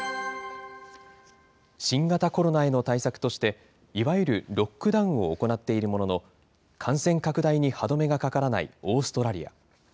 新型コロナへの対策として、いわゆるロックダウンを行っているものの、感染拡大に歯止めがかからないオーストラリア。